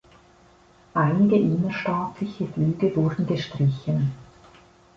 Einige innerstaatliche Flüge wurden gestrichen.